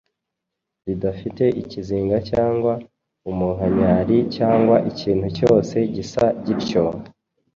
ridafite ikizinga cyangwa umunkanyari cyangwa ikintu cyose gisa gityo.”